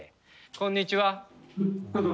こんにちは。